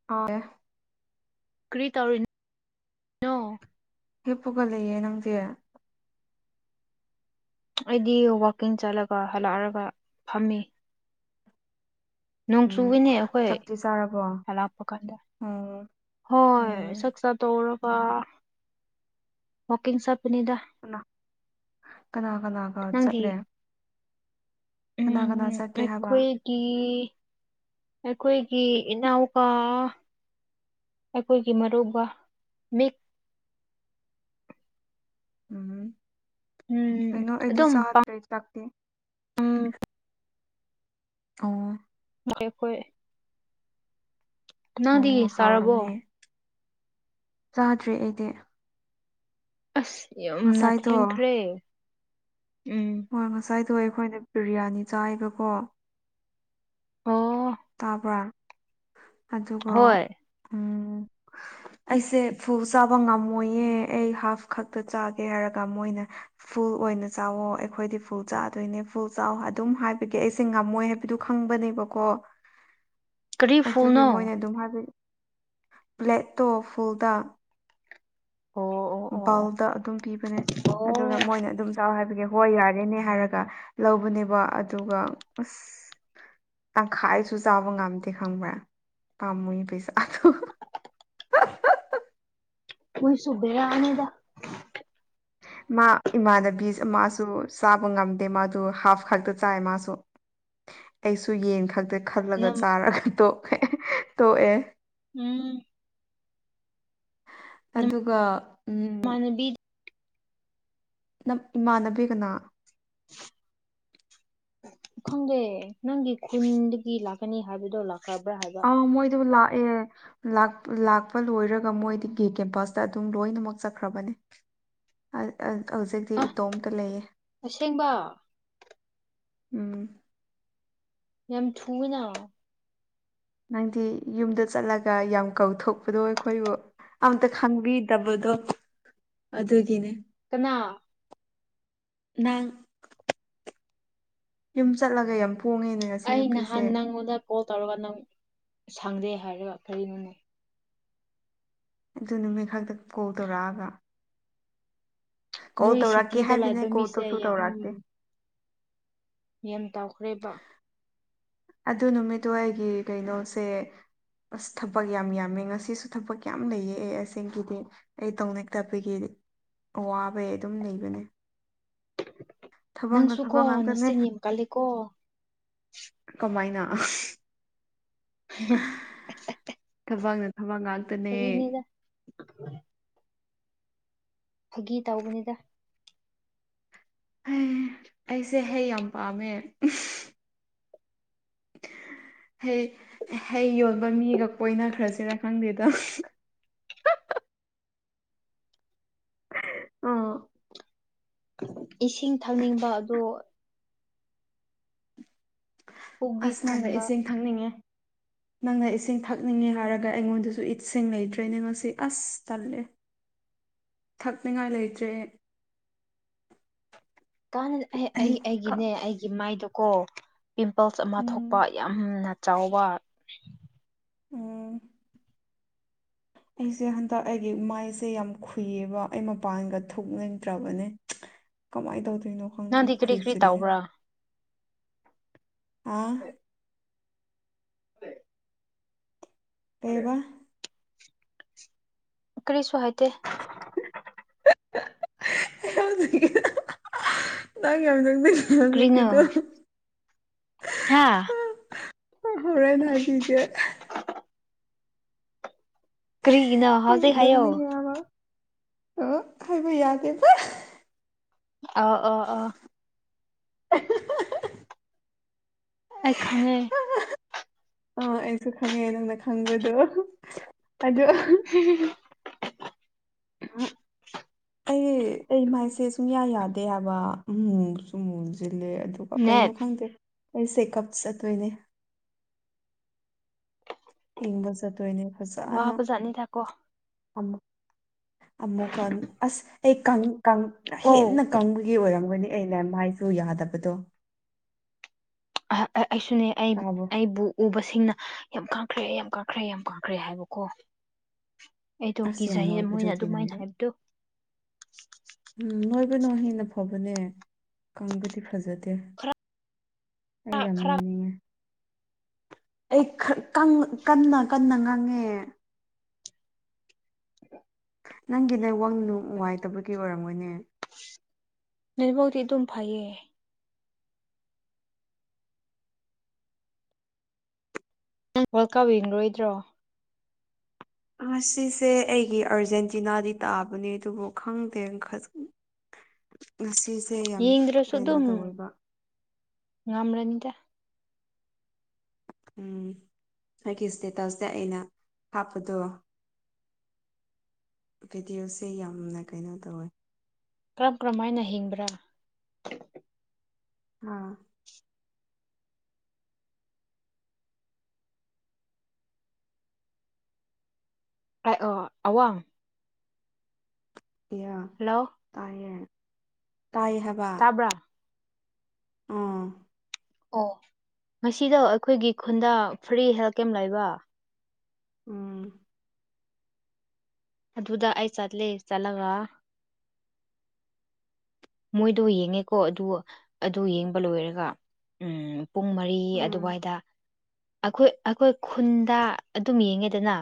[unintelligible] ꯀ꯭ꯔꯤ ꯇꯧꯔꯤ ꯅꯣ ꯍꯤꯞꯄꯒ ꯂꯩꯌꯦ ꯅꯪꯗꯤ ꯑꯩꯗꯤ ꯋꯥꯛꯀꯤꯡ ꯆꯠꯂꯒ ꯍꯜꯂꯛꯑꯔꯒ ꯐꯝꯃꯤ ꯅꯣꯡ ꯎꯝ ꯆꯨꯑꯦꯅꯦ ꯑꯈꯣꯏ ꯆꯥꯛꯇꯤ ꯆꯥꯔꯕꯣ ꯍꯂꯛꯄ ꯀꯥꯟꯗ ꯎꯝ ꯍꯣꯏ ꯎꯝ ꯆꯥꯛ ꯆꯥ ꯇꯣꯛꯔꯒ ꯋꯥꯀꯤꯡ ꯆꯠꯄꯅꯤꯗ [unintelligible] ꯀꯅꯥ ꯀꯅꯥꯒ ꯅꯪꯗꯤ ꯆꯠꯂꯦ ꯀꯅꯥ ꯀꯅꯥ ꯆꯠꯀꯦ ꯍꯥꯏꯕ ꯀꯤ ꯑꯩꯈꯣꯏꯒꯤ ꯏꯅꯥꯎꯄꯥ ꯑꯈꯣꯏꯒꯤ ꯃꯔꯨꯞꯀꯥ ꯃꯤ ꯎꯝ ꯎꯝ ꯀꯩꯅꯣ ꯑꯩꯗꯤ ꯆꯥꯗꯔꯤ ꯆꯥꯛꯇꯤ ꯎꯝ ꯑꯣ [unintelligible] ꯈꯣꯏ ꯅꯪꯗꯤ ꯑꯣ ꯆꯥꯔꯕꯣ ꯍꯥꯎꯔꯝꯅꯤ ꯆꯥꯗ꯭ꯔꯤ ꯑꯩꯗꯤ ꯑꯁ ꯌꯥꯝꯅ ꯉꯁꯥꯏꯗꯣ ꯊꯦꯡꯈ꯭ꯔꯦ ꯎꯝ ꯍꯣꯏ ꯉꯁꯥꯏꯗꯣ ꯑꯩꯈꯣꯏꯅ ꯕꯤꯔꯌꯥꯅꯤ ꯆꯥꯏꯕꯀꯣ ꯑꯣ ꯇꯥꯕ꯭ꯔꯥ ꯑꯗꯨꯒ ꯍꯣꯏ ꯎꯝ ꯑꯩꯁꯦ ꯐꯨꯜ ꯆꯥꯕ ꯉꯝꯃꯣꯏꯌꯦ ꯑꯩ ꯍꯥꯐ ꯈꯛꯇ ꯆꯥꯒꯦ ꯍꯥꯏꯔꯒ ꯃꯣꯏꯅ ꯐꯨꯜ ꯑꯣꯏꯅ ꯆꯥꯛꯋꯣ ꯑꯈꯣꯏꯗꯤ ꯐꯨꯜ ꯆꯥꯗꯣꯏꯅꯦ ꯐꯨꯜ ꯆꯥꯎ ꯑꯗꯨꯝ ꯍꯥꯏꯕꯒꯤ ꯑꯩꯁꯦ ꯉꯝꯃꯣꯏ ꯑꯗꯨ ꯈꯪꯕꯅꯦꯕꯀꯣ ꯀꯔꯤ ꯑꯗꯨꯒꯤ ꯐꯨꯅꯣ ꯃꯣꯏꯅ ꯑꯗꯨꯝ ꯍꯥꯏꯕ ꯕꯂꯦꯛꯇꯣ ꯐꯨꯜꯗ ꯑꯣ ꯑꯣ ꯑꯣ ꯕꯥꯎꯜꯗ ꯑꯗꯨꯝ ꯄꯤꯕꯅꯦ ꯑꯣ ꯑꯗꯨꯒ ꯃꯣꯏꯅ ꯑꯗꯨꯝ ꯆꯥꯎ ꯍꯥꯏꯕꯒꯤ ꯍꯣꯏ ꯌꯥꯔꯦꯅꯦ ꯍꯥꯏꯔꯒ ꯂꯧꯕꯅꯦꯕ ꯑꯗꯨꯒ ꯑꯁ ꯇꯪꯈꯥꯏꯁꯨ ꯆꯥꯕ ꯉꯝꯗꯦ ꯈꯪꯕ꯭ꯔꯥ ꯄꯥꯝꯃꯨ ꯄꯩꯁꯥꯗꯨ ꯃꯣꯏꯁꯨ ꯕꯦꯔꯥꯅꯦꯗ ꯃꯥ ꯏꯃꯥꯟꯅꯕꯤ ꯑꯃꯁꯨ ꯆꯥꯕ ꯉꯝꯗꯦ ꯃꯥꯗꯨ ꯍꯥꯐ ꯈꯛꯇ ꯆꯥꯏ ꯃꯥꯁꯨ ꯑꯩꯁꯨ ꯌꯦꯟ ꯈꯛꯇ ꯈꯜꯔꯂꯒ ꯅꯝ ꯆꯥꯔꯒ ꯇꯣꯛꯈ꯭ꯔꯦ ꯇꯣꯛꯑꯦ ꯎꯝ ꯫ ꯑꯗꯨꯒ ꯎꯝ ꯏꯃꯥꯟꯅꯕꯤ ꯅꯞ ꯏꯃꯥꯟꯅꯕꯤ ꯀꯅꯥ [inaudible] ꯈꯪꯗꯦ ꯅꯪꯒꯤ ꯈꯨꯟꯗꯒꯤ ꯂꯥꯛꯀꯅꯤ ꯍꯥꯏꯕꯗꯣ ꯂꯥꯛꯈ꯭ꯔꯥꯕ ꯍꯥꯏꯕ ꯑꯣ ꯃꯣꯏꯗꯨ ꯂꯥꯛꯑꯦ ꯂꯥꯛ ꯂꯥꯛꯄ ꯂꯣꯏꯔꯒ ꯃꯣꯏꯗꯒꯤ ꯀꯦꯝꯄꯁꯇ ꯑꯗꯨꯝ ꯂꯣꯏꯅꯃꯛ ꯆꯠꯈ꯭ꯔꯥꯕꯅꯦ ꯑꯥ ꯑꯥ ꯍꯧꯖꯤꯛꯇꯤ ꯑꯥ ꯏꯇꯣꯝꯇ ꯂꯩꯌꯦ꯫ ꯑꯁꯦꯡꯕ ꯎꯝ꯫ ꯌꯥꯝ ꯊꯨꯑꯦꯅꯥ ꯅꯪꯗꯤ ꯌꯨꯝꯗ ꯆꯠꯂꯒ ꯌꯥꯝ ꯀꯧꯊꯣꯛꯄꯗꯣ ꯑꯩꯈꯣꯏꯕꯨ ꯑꯝꯇ ꯈꯪꯕꯤꯗꯕꯗꯣ ꯑꯗꯨꯒꯤꯅꯦ ꯀꯅꯥ ꯅꯪ ꯌꯨꯝ ꯆꯠꯂꯒ ꯌꯥꯝ ꯄꯣꯡꯉꯦꯅꯦ ꯉꯁꯤ ꯑꯩ ꯅꯨꯄꯤꯁꯦ ꯅꯍꯥꯟ ꯅꯪꯉꯣꯟꯗ ꯀꯣꯜ ꯇꯧꯔꯒ ꯅꯪ ꯁꯪꯗꯦ ꯍꯥꯏꯔꯒ ꯀꯔꯤꯅꯣꯅꯦ ꯑꯗꯨ ꯅꯨꯃꯤꯠ ꯈꯛꯇ ꯀꯣꯜ ꯇꯧꯔꯛꯑꯒ ꯀꯣꯜ ꯅꯣꯏ ꯇꯧꯔꯛꯀꯦ ꯁꯤꯇꯤꯗ ꯍꯥꯏꯕꯅꯦ ꯂꯩꯕ ꯃꯤꯁꯦ ꯀꯣꯜꯗꯨꯁꯨ ꯌꯥꯝ ꯇꯧꯔꯛꯇꯦ ꯌꯦꯟ ꯇꯧꯈ꯭ꯔꯦꯕ ꯑꯗꯨ ꯅꯨꯃꯤꯠꯇꯣ ꯑꯩꯒꯤ ꯀꯩꯅꯣꯁꯦ ꯑꯁ ꯊꯕꯛ ꯌꯥꯝ ꯌꯥꯝꯃꯦ ꯉꯁꯤꯁꯨ ꯊꯕꯛ ꯌꯥꯝ ꯂꯩꯌꯦ ꯑꯩ ꯑꯁꯦꯡꯒꯤꯗꯤ ꯑꯩ ꯇꯧꯅꯤꯡꯇꯕꯒꯤꯗꯤ ꯑꯋꯥꯕꯩ ꯑꯗꯨꯝ ꯂꯩꯕꯅꯦ ꯊꯕꯛꯅ ꯅꯪꯁꯨꯀꯣ ꯊꯕꯛ ꯉꯥꯛꯇꯅꯦ ꯅꯆꯤꯟ ꯌꯥꯝ ꯀꯜꯂꯤꯀꯣ ꯀꯃꯥꯏꯅ [inaudible] ꯊꯕꯛꯅ ꯊꯕꯛ ꯉꯥꯟ ꯐꯥꯒꯤꯅꯤꯗ ꯐꯥꯒꯤ ꯇꯧꯕꯅꯤꯗ ꯍꯩ ꯑꯩꯁꯦ ꯍꯩ ꯌꯥꯝ ꯄꯥꯝꯃꯦ ꯍꯩ ꯍꯩ ꯌꯣꯟꯕ ꯃꯤꯒꯥ ꯀꯣꯏꯅ ꯒꯔꯁꯤꯔꯥ ꯈꯪꯗꯦꯗ ꯑꯣ ꯏꯁꯤꯡ ꯊꯛꯅꯤꯡꯕ ꯑꯗꯣ ꯄꯨꯛꯗꯤ ꯑꯁ ꯅꯪꯒ ꯊꯟꯕ ꯏꯁꯤꯡ ꯊꯛꯅꯤꯡꯉꯦ ꯅꯪꯅ ꯏꯁꯤꯡ ꯊꯛꯅꯤꯡꯉꯦ ꯍꯥꯏꯔꯒ ꯑꯩꯉꯣꯟꯗꯁꯨ ꯏꯠꯁꯤꯡ ꯂꯩꯇ꯭ꯔꯦꯅꯦ ꯉꯁꯤ ꯑꯁ ꯇꯜꯂꯦ ꯊꯛꯅꯤꯡꯉꯥꯏ ꯂꯩꯇ꯭ꯔꯦ꯫ ꯗꯅꯗꯤ ꯑꯦ ꯑꯩ ꯑꯩꯒꯤ ꯑꯩꯒꯤꯅꯦ ꯑꯩꯒꯤ ꯃꯥꯏꯗꯀꯣ ꯄꯤꯝꯄꯜꯁ ꯑꯃ ꯎꯝ ꯊꯣꯛꯄ ꯌꯥꯝꯅ ꯆꯥꯎꯕ ꯎꯝ꯫ ꯑꯩꯁꯦ ꯍꯟꯗꯛ ꯑꯩꯒꯤ ꯃꯥꯏꯁꯦ ꯌꯥꯝ ꯈꯨꯨꯏꯌꯦꯕ ꯑꯩ ꯃꯄꯥꯟꯒ ꯊꯣꯛꯅꯤꯡꯗ꯭ꯔꯥꯕꯅꯦ ꯀꯃꯥꯏ ꯇꯧꯗꯣꯏꯅꯣ ꯅꯪꯗꯤ ꯀꯔꯤ ꯀꯔꯤ ꯇꯧꯕ꯭ꯔꯥ ꯑꯣ [inaudible] ꯀꯩꯕ [unintelligible] ꯀꯔꯤꯁꯨ ꯍꯥꯏꯇꯦ [unintelligible] ꯅꯪ ꯌꯥꯝ [unintelligible] ꯀꯔꯤꯅꯣ ꯅꯨꯃꯤꯠꯀꯤꯗꯣ ꯍꯥ ꯑꯥ ꯍꯣꯔꯦꯟ ꯍꯥꯏꯕꯤꯒꯦ ꯀꯔꯤꯒꯤꯅꯣ ꯌꯥꯝ ꯍꯧꯖꯤꯛ ꯍꯥꯏꯌꯣ ꯅꯣꯛꯅꯤꯡꯉꯦ ꯍꯥꯏꯕ ꯑꯥ ꯍꯥꯏꯕ ꯌꯥꯗꯦꯗ ꯑꯧ ꯑꯧ ꯑꯧ ꯑꯩ ꯈꯪꯉꯦ ꯑꯥ ꯑꯩꯁꯨ ꯈꯪꯉꯦ ꯅꯪꯅ ꯈꯪꯕꯗꯣ ꯑꯗꯣ [unintelligible] [inaudible] ꯑꯩ ꯑꯩ ꯃꯥꯏꯁꯦ ꯁꯨꯡꯌꯥ ꯌꯥꯗꯦ ꯍꯥꯏꯕ ꯎꯝ ꯃꯨꯁꯨ ꯃꯨꯁꯤꯜꯂꯦ ꯑꯗꯨꯒ ꯀꯩꯅꯣ ꯅꯦꯠ ꯈꯪꯗꯦ ꯑꯩ ꯆꯦ ꯀꯞꯆꯗꯣꯏꯅꯦ ꯆꯤꯡꯗ ꯆꯠꯇꯣꯏꯅꯦ ꯐꯖꯅ ꯋꯥꯕꯖꯥꯠꯅꯤꯗꯀꯣ ꯑꯃꯨꯛ ꯑꯃꯨꯛꯀ ꯑꯁ ꯑꯩ ꯀꯪ ꯀꯪ ꯑꯣ ꯍꯦꯟꯅ ꯀꯪꯕꯒꯤ ꯑꯣꯏꯔꯝꯒꯅꯤ ꯑꯩꯅ ꯃꯥꯏꯗꯣ ꯌꯥꯗꯕꯗꯣ ꯑꯩꯁꯨꯅꯦ ꯑꯩ ꯇꯥꯕ꯭ꯔꯣ ꯑꯩꯕꯨ ꯎꯕꯁꯤꯡꯅ ꯌꯥꯝ ꯀꯪꯈ꯭ꯔꯦ ꯌꯥꯝ ꯀꯪꯈ꯭ꯔꯦ ꯌꯥꯝ ꯀꯪꯈ꯭ꯔꯦ ꯍꯥꯏꯕꯀꯣ ꯑꯩꯗꯣ ꯑꯁ ꯌꯥꯝ ꯀꯤꯖꯩꯌꯦ ꯃꯣꯏꯅ ꯅꯣꯏꯕꯗꯨꯗꯤ ꯑꯗꯨꯃꯥꯏꯅ ꯅꯪꯗꯤ ꯍꯥꯏꯕꯗꯣ ꯎꯝ ꯅꯣꯏꯕꯅ ꯍꯦꯟꯅ ꯐꯕꯅꯦ ꯀꯪꯒꯗꯤ ꯐꯖꯗꯦ ꯑꯩ ꯌꯥꯝ ꯅꯣꯏꯅꯤꯡꯉꯦ ꯑꯩ ꯀꯠ ꯀꯪꯅ ꯀꯟꯅ ꯀꯟꯅ ꯉꯥꯡꯉꯦ ꯅꯪꯒꯤ ꯅꯦꯠꯋꯥꯡ ꯅꯨꯉꯥꯏꯇꯕꯒꯤ ꯑꯣꯏꯔꯝꯃꯒꯅꯤ ꯅꯦꯠꯋꯥꯛꯇꯤ ꯑꯗꯨꯝ ꯐꯩꯌꯦ ꯅꯪ ꯋꯥꯔꯜ ꯀꯞ ꯌꯦꯡꯂꯣꯏꯗ꯭ꯔꯣ ꯉꯁꯤꯁꯦ ꯑꯩꯒꯤ ꯑꯥꯔꯖꯦꯟꯇꯤꯅꯥꯗꯤ ꯇꯥꯕꯅꯦ ꯑꯗꯨꯕꯨ ꯈꯪꯗꯦ ꯉꯁꯤꯁꯦ ꯌꯥꯝ ꯌꯦꯡꯗ꯭ꯔꯁꯨ ꯀꯩꯅꯣ ꯑꯗꯨꯝ ꯇꯧꯋꯦꯕ ꯉꯝꯔꯅꯤꯗ ꯎꯝ ꯑꯩꯒꯤ ꯁꯇꯦꯇꯁ ꯁꯦ ꯑꯩꯅ ꯍꯥꯞꯄꯗꯨ ꯚꯤꯗꯤꯑꯣꯁꯦ ꯌꯥꯝꯅ ꯀꯩꯅꯣ ꯇꯧꯋꯦ ꯀꯔꯝ ꯀꯔꯝ ꯍꯥꯏꯅ ꯍꯤꯡꯕ꯭ꯔꯥ ꯍꯥ ꯍꯥꯏꯑꯣ ꯑꯋꯥꯡ ꯀꯌꯥ ꯍꯜꯂꯣ ꯇꯥꯏꯌꯦ ꯇꯥꯏ ꯍꯥꯏ ꯇꯥꯕ꯭ꯔꯥ ꯑꯣ ꯑꯣ ꯉꯁꯤꯗꯣ ꯑꯈꯣꯏꯒꯤ ꯈꯨꯟꯗ ꯐ꯭ꯔꯤ ꯍꯦꯜꯠ ꯀꯦꯝ ꯂꯩꯕ ꯎꯝ ꯑꯗꯨꯗ ꯑꯩ ꯆꯠꯂꯦ ꯆꯠꯂꯒ ꯃꯣꯏꯗꯣ ꯌꯦꯡꯉꯦꯀꯣ ꯑꯗꯨ ꯑꯗꯨ ꯌꯦꯡꯕ ꯂꯣꯏꯔꯒ ꯎꯝ ꯄꯨꯡ ꯃꯔꯤ ꯎꯝ ꯑꯗꯨꯋꯥꯏꯗ ꯑꯈꯣꯏ ꯑꯈꯣꯏ ꯈꯨꯟꯗ ꯑꯗꯨꯝ ꯌꯦꯡꯉꯦꯗꯅ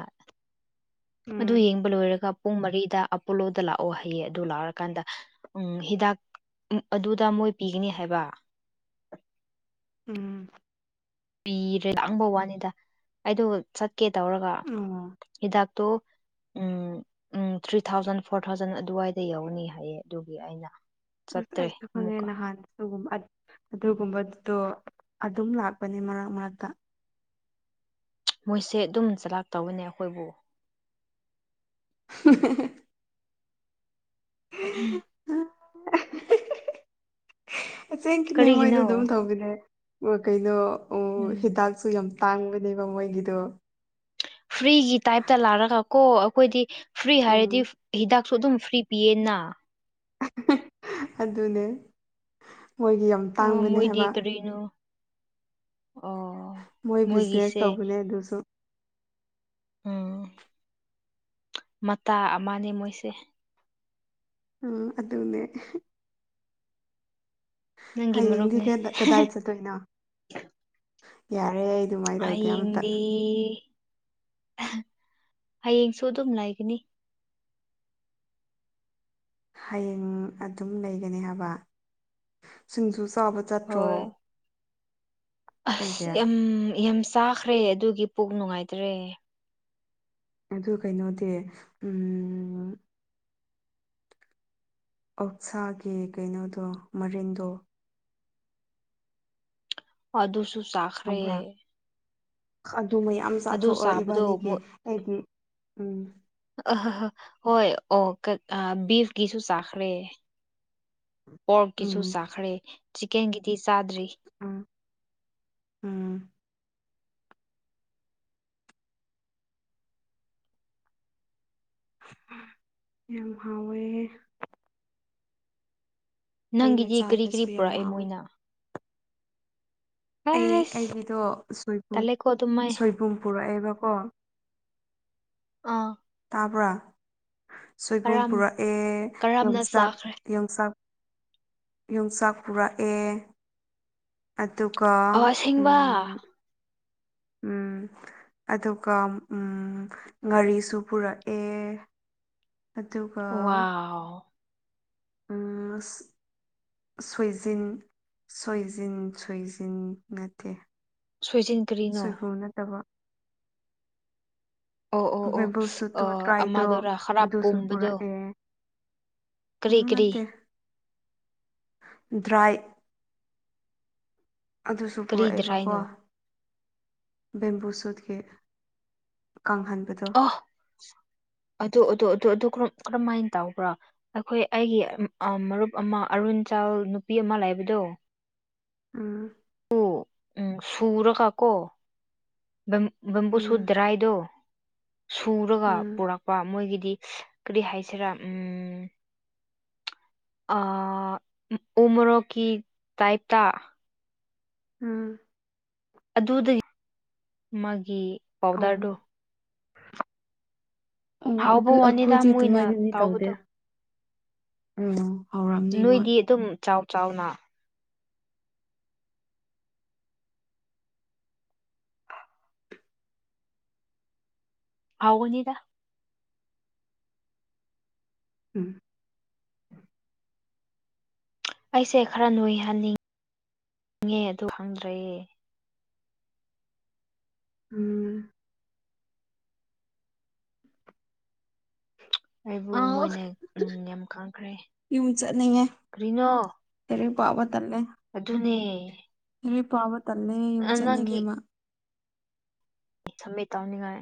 ꯑꯗꯨ ꯎꯝ ꯌꯦꯡꯕ ꯂꯣꯏꯔꯒ ꯄꯨꯡ ꯃꯔꯤꯗ ꯑꯦꯄꯣꯂꯣꯗ ꯂꯥꯛꯑꯣ ꯍꯥꯏꯌꯦ ꯑꯗꯨ ꯂꯥꯛꯔꯀꯥꯟꯗ ꯎꯝ ꯍꯤꯗꯥꯛ ꯎꯝ ꯑꯗꯨꯗ ꯃꯣꯏ ꯄꯤꯒꯅꯤ ꯍꯥꯏꯕ ꯎꯝ ꯄꯤꯔꯦ ꯂꯥꯡꯕ ꯋꯥꯅꯤꯗ ꯑꯩꯗꯣ ꯆꯠꯀꯦ ꯇꯧꯔꯒ ꯑꯣ ꯍꯤꯗꯥꯛꯇꯣ ꯎꯝ ꯎꯝ ꯊ꯭ꯔꯤ ꯊꯥꯎꯖꯟ ꯐꯣꯔ ꯊꯥꯎꯖꯟ ꯑꯗꯨꯋꯥꯏꯗ ꯌꯧꯅꯤ ꯍꯥꯏꯌꯦ ꯑꯗꯨꯒꯤ ꯑꯩꯅ ꯑꯁ ꯆꯠꯇ꯭ꯔꯦ ꯑꯩꯁꯨ ꯈꯪꯉꯦ ꯑꯃꯨꯛꯀ ꯅꯍꯥꯟ ꯑꯗꯨꯒꯨꯝꯕ ꯑꯗꯨꯒꯨꯝꯕꯗꯣ ꯑꯗꯨꯝ ꯂꯥꯛꯄꯅꯤ ꯃꯔꯛ ꯃꯔꯛꯇ ꯃꯣꯏꯁꯦ ꯑꯗꯨꯝ ꯆꯂꯥꯛꯇꯧꯕꯅꯦ ꯑꯩꯈꯣꯏꯕꯨ [inaudible] [inaudible] ꯑꯁꯦꯡꯀꯤꯅꯦ ꯃꯣꯏꯗꯣ ꯀꯔꯤꯒꯤꯅꯣ ꯑꯗꯨꯝ ꯇꯧꯕꯅꯦ ꯀꯩꯅꯣ ꯑꯣ ꯎꯝ ꯍꯤꯗꯥꯛꯁꯨ ꯌꯥꯝ ꯇꯥꯡꯕꯅꯦꯕ ꯃꯣꯏꯒꯤꯗꯣ ꯐ꯭ꯔꯤꯒꯤ ꯇꯥꯏꯞꯇ ꯂꯥꯛꯔꯒ ꯀꯣ ꯑꯈꯣꯏꯗꯤ ꯐ꯭ꯔꯤ ꯎꯝ ꯍꯥꯏꯔꯗꯤ ꯍꯤꯗꯥꯛꯁꯨ ꯑꯗꯨꯝ ꯐ꯭ꯔꯤ ꯄꯤꯌꯦꯅ ꯑꯗꯨꯅꯦ ꯃꯣꯏꯒꯤ ꯌꯥꯝ ꯑꯥ ꯇꯥꯡꯕꯅꯦ ꯃꯣꯏꯗꯤ ꯍꯥꯏꯕ ꯀꯔꯤꯅꯣ ꯑꯣ ꯃꯣꯏ ꯕꯤꯖꯤꯅꯦꯁ ꯃꯣꯏꯒꯤꯁꯦ ꯇꯧꯕꯅꯦ ꯑꯗꯨꯁꯨ ꯎꯝ ꯃꯇꯥ ꯑꯃꯅꯤ ꯃꯣꯏꯁꯦ ꯎꯝ ꯑꯗꯨꯅꯦ ꯅꯪꯒꯤ ꯍꯌꯦꯡꯗꯤ ꯃꯔꯨꯞꯅꯦ ꯀꯗꯥꯏ ꯆꯠꯇꯣꯏꯅꯣ ꯌꯥꯔꯦ ꯑꯩꯗꯤ ꯍꯌꯦꯡꯗꯤ ꯍꯌꯦꯡꯁꯨ ꯑꯗꯨꯝ ꯂꯩꯒꯅꯤ ꯍꯌꯦꯡ ꯑꯗꯨꯝ ꯂꯩꯒꯅꯤ ꯍꯥꯏꯕ ꯁꯤꯡꯖꯨ ꯆꯥꯕ ꯆꯠꯇ꯭ꯔꯣ ꯍꯣꯏ ꯑꯁ ꯀꯩꯀꯩ ꯌꯥꯝ ꯌꯥꯝ ꯆꯥꯈ꯭ꯔꯦ ꯑꯗꯨꯒꯤ ꯄꯨꯛ ꯅꯨꯡꯉꯥꯏꯇ꯭ꯔꯦ ꯑꯗꯨ ꯀꯩꯅꯣꯗꯤ ꯎꯝ ꯑꯣꯛꯁꯥꯒꯤ ꯀꯩꯅꯣꯗꯣ ꯃꯔꯤꯟꯗꯣ ꯑꯗꯨꯁꯨ ꯆꯥ ꯈꯪꯕ꯭ꯔ ꯑꯗꯨ ꯃꯌꯥꯝ ꯑꯗꯨ ꯆꯥꯊꯣꯛꯑꯣ ꯆꯥꯕꯗꯣ ꯏꯕꯥꯅꯤꯒꯤ ꯃꯨ ꯑꯩꯒꯤ ꯎꯝ ꯑꯍꯥꯍꯥ ꯍꯣꯏ ꯑꯣ ꯑꯥ ꯕꯤꯐꯀꯤꯁꯨ ꯆꯥꯈ꯭ꯔꯦ [inaudible] ꯄꯣꯔꯛꯀꯤꯁꯨ ꯎꯝ ꯆꯥꯈ꯭ꯔꯦ ꯆꯤꯛꯀꯦꯟꯒꯤꯗꯤ ꯆꯥꯗ꯭ꯔꯤ ꯎꯝ ꯎꯝ ꯌꯥꯝ ꯍꯥꯎꯋꯦ ꯑꯩꯅ ꯅꯪꯒꯤꯗꯤ ꯀꯔꯤ ꯀꯔꯤ ꯆꯥꯗ꯭ꯔꯁꯨ ꯌꯥꯝ ꯄꯨꯔꯛꯑꯦ ꯍꯥꯎꯋꯦ ꯃꯣꯏꯅ ꯑꯩ ꯑꯁ ꯑꯩꯒꯤꯗꯣ ꯁꯣꯏꯕꯨꯝ ꯇꯜꯂꯦꯀꯣ ꯑꯗꯨꯃꯥꯏ ꯁꯣꯏꯕꯨꯝ ꯄꯨꯔꯛꯑꯦꯕꯀꯣ ꯑꯥ ꯇꯥꯕ꯭ꯔꯥ ꯁꯣꯏꯕꯨꯝ ꯀꯔꯝ ꯄꯨꯔꯛꯑꯦ ꯀꯔꯝꯅ ꯌꯣꯡꯆꯥꯛ ꯆꯥꯈ꯭ꯔꯦ ꯌꯣꯡꯆꯥꯛ ꯌꯣꯡꯆꯥꯛ ꯄꯨꯔꯛꯑꯦ ꯑꯗꯨꯒ ꯏꯡꯕꯥ ꯎꯝ ꯎꯝ ꯑꯗꯨꯒ ꯎꯝ ꯉꯥꯔꯤꯁꯨ ꯄꯨꯔꯛꯑꯦ ꯑꯗꯨꯒ ꯋꯥꯎ ꯎꯝ ꯑꯁ ꯁꯣꯏꯖꯤꯟ ꯁꯣꯏꯖꯤꯟ ꯁꯣꯏꯖꯤꯟ ꯅꯠꯇꯦ ꯁꯣꯏꯖꯤꯟ ꯀꯔꯤꯅꯣ ꯁꯣꯏꯕꯨꯝ ꯅꯠꯇꯕ ꯑꯣ ꯑꯣ ꯑꯣ ꯕꯦꯝꯕꯨ ꯁꯨꯠꯇꯨ ꯑꯣ ꯇ꯭ꯔꯥꯏꯗꯣ ꯑꯃꯗꯨꯔ ꯈꯔ ꯑꯗꯨꯁꯨ ꯄꯨꯝꯕꯗꯣ ꯄꯨꯔꯛꯑꯦ ꯀꯔꯤ ꯎꯝ ꯀꯔꯤ ꯅꯠꯇꯦ ꯗ꯭ꯔꯥꯏ ꯑꯗꯨꯁꯨ ꯀꯔꯤ ꯄꯨꯔꯛꯑꯦꯕꯀꯣ ꯗ꯭ꯔꯥꯏꯅꯣ ꯕꯦꯝꯕꯨ ꯁꯨꯠꯀꯤ ꯀꯡꯍꯟꯕꯗꯣ ꯑꯣ ꯑꯗꯨ ꯑꯗꯨ ꯑꯗꯨ ꯀꯔꯝ ꯀꯔꯝꯃꯥꯏꯟ ꯇꯧꯕ꯭ꯔꯥ ꯑꯈꯣꯏ ꯑꯩꯒꯤ ꯃꯔꯨꯞ ꯑꯃ ꯑꯔꯨꯟ ꯆꯜ ꯅꯨꯄꯤ ꯑꯃ ꯂꯩꯕꯗꯣ ꯎꯝ ꯎ ꯎꯝ ꯁꯨꯔꯒꯀꯣ ꯕꯝ ꯕꯦꯝꯕꯨꯁꯨꯠ ꯎꯝ ꯗ꯭ꯔꯥꯏꯗꯣ ꯁꯨꯔꯒ ꯎꯝ ꯄꯨꯔꯛ ꯄꯥ ꯃꯣꯏꯒꯤꯗꯤ ꯀꯔꯤ ꯍꯥꯏꯁꯤꯔꯥ ꯎꯝ ꯑꯥ ꯎꯃꯣꯔꯣꯛꯀꯤ ꯇꯥꯏꯞꯇꯥ ꯎꯝ ꯑꯗꯨꯗꯒꯤ ꯃꯥꯒꯤ ꯑꯧ ꯄꯥꯎꯗꯔꯗꯨ ꯑꯣ ꯍꯥꯎꯕ ꯑꯗꯨ ꯋꯥꯅꯤꯗ ꯑꯩꯈꯣꯏꯗꯤ ꯃꯣꯏꯅ ꯑꯗꯨꯃꯥꯏꯅꯗꯤ ꯇꯧꯗꯦ ꯇꯥꯎꯕꯗꯨ ꯎꯝ ꯍꯧꯔꯛ ꯅꯣꯏꯗꯤ ꯑꯗꯨꯝ ꯆꯥꯎ ꯆꯥꯎꯅ ꯍꯥꯎꯕꯅꯤꯗ ꯎꯝ ꯑꯩꯁꯦ ꯈꯔ ꯅꯣꯏꯍꯟꯅꯤꯡ ꯉꯦ ꯑꯗꯨ ꯈꯪꯗ꯭ꯔꯦ ꯎꯝ ꯑꯩꯕꯨ ꯑꯥꯎ ꯃꯣꯏꯅ ꯌꯥꯝ ꯈꯪꯈ꯭ꯔꯦ ꯌꯨꯝ ꯆꯠꯅꯤꯡꯉꯦ ꯀꯔꯤꯅꯣ ꯂꯥꯏꯔꯤꯛ ꯄꯥꯕ ꯇꯟꯂꯦ ꯑꯗꯨꯅꯦ ꯂꯩꯔꯤꯛ ꯄꯥꯕ ꯇꯟꯕꯒꯤ ꯌꯨꯝ ꯑ ꯅꯪꯒꯤ ꯆꯠꯅꯤꯡꯉꯦ ꯃꯥ ꯁꯃꯤꯠ ꯇꯧꯅꯤꯉꯥꯏ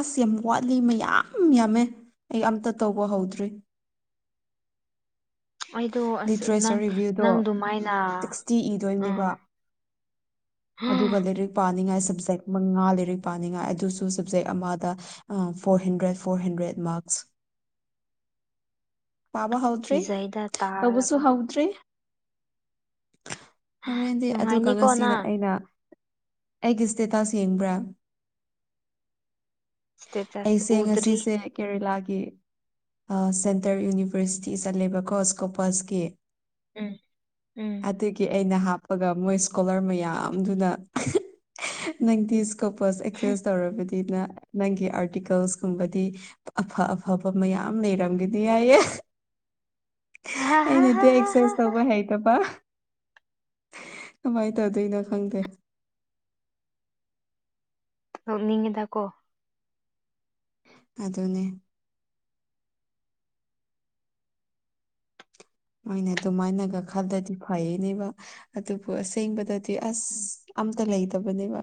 ꯑꯁ ꯌꯥꯝ ꯋꯥꯠꯂꯤ ꯃꯌꯥꯝ ꯌꯥꯝꯃꯦ ꯑꯩ ꯑꯝꯇ ꯇꯧꯕ ꯍꯧꯗ꯭ꯔꯤ ꯑꯩꯗꯣ ꯑꯁ ꯂꯤꯇꯔꯦꯆꯔ ꯅꯪ ꯔꯤꯚ꯭ꯌꯨꯗꯣ ꯅꯪ ꯑꯗꯨꯃꯥꯏꯅ ꯁꯤꯛꯁꯇꯤ ꯏꯗꯣꯏꯅꯦꯕ ꯑꯥ ꯑꯗꯨꯒ ꯂꯥꯏꯔꯤꯛ ꯄꯥꯅꯤꯡꯉꯥꯏ ꯁꯕꯖꯦꯛ ꯃꯉꯥ ꯂꯥꯏꯔꯤꯛ ꯄꯥꯅꯤꯉꯥꯏ ꯑꯗꯨꯁꯨ ꯁꯕꯖꯦꯛ ꯑꯃꯗ ꯑ four hundred four hundred marks ꯄꯥꯕ ꯍꯧꯗ꯭ꯔꯤ ꯀꯤꯖꯩꯗ ꯂꯧꯕꯁꯨ ꯇꯥꯔꯒ ꯍꯧꯗ꯭ꯔꯤ ꯍꯣꯔꯦꯟꯗꯤ ꯑꯗꯨꯒ ꯅꯨꯡꯉꯥꯏꯅꯤꯀꯣ ꯉꯁꯤꯅ ꯅꯪ ꯑꯩꯅ ꯑꯩꯒꯤ ꯏꯁꯇꯦꯇꯁ ꯌꯦꯡꯕ꯭ꯔꯥ ꯏꯁꯇꯦꯇꯁ ꯑꯩꯁꯦ ꯎꯗ꯭ꯔꯤ ꯉꯁꯤꯁꯦ ꯀꯦꯔꯦꯂꯥꯒꯤ ꯑꯥ ꯁꯦꯟ ꯏꯟꯇꯔ ꯌꯨꯅꯤꯚꯔꯁꯤꯇꯤ ꯆꯠꯂꯦꯕꯀꯣ ꯏꯁ ꯀꯣꯄꯁꯀꯤ ꯎꯝ ꯎꯝ ꯑꯗꯨꯒꯤ ꯑꯩꯅ ꯍꯥꯞꯄꯒ ꯃꯣꯏ ꯏꯁ꯭ꯀꯣꯂꯔ ꯃꯌꯥꯝꯗꯨꯅ ꯅꯪꯗꯤ ꯁꯀꯣꯄꯁ ꯑꯦꯛꯁꯦꯁ ꯇꯧꯔꯕꯗꯤ ꯃꯤꯅ ꯅꯪꯒꯤ ꯑꯥꯔꯇꯤꯀꯜꯁꯀꯨꯝꯕꯗꯤ ꯑꯐ ꯑꯐꯕ ꯃꯌꯥꯝ ꯂꯩꯔꯝꯒ ꯌꯥꯏꯌꯦ ꯑꯩꯅꯗꯤ ꯑꯦꯛꯆꯦꯟꯁ ꯇꯧꯕ ꯍꯩꯇꯕ ꯀꯃꯥꯏꯟ ꯇꯧꯗꯣꯏꯅꯣ ꯈꯪꯗꯦ ꯅꯣꯛꯅꯤꯡꯉꯤꯗ ꯀꯣ ꯑꯗꯨꯅꯦ ꯍꯣꯏꯅꯦ ꯑꯗꯨꯃꯥꯏꯅꯒ ꯈꯜꯂꯗꯤ ꯐꯩꯌꯦꯅꯦꯕ ꯑꯗꯨꯕꯨ ꯑꯁꯦꯡꯕꯗ ꯗꯤ ꯑꯁ ꯑꯝꯇ ꯂꯩꯇꯕꯅꯦꯕ